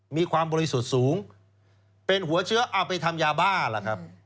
มีความบริสุทธิ์สูงเป็นหัวเชื้อเอาไปทำยาบ้าล่ะครับ